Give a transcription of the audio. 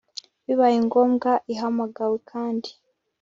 bibaye ngombwa ihamagawe kandi